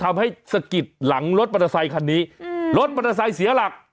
สะกิดหลังรถมอเตอร์ไซคันนี้รถมอเตอร์ไซค์เสียหลัก